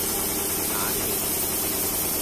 乸脷